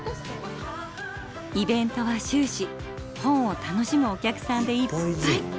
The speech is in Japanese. イベントは終始本を楽しむお客さんでいっぱい。